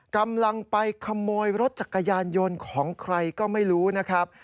กำลังไปขโมยรถจักรยานยนต์ของใครก็ไม่รู้นะครับ